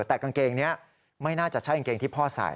แต่กางเกงนี้ไม่น่าจะใช่กางเกงที่พ่อใส่